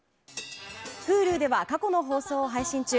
Ｈｕｌｕでは過去の放送を配信中。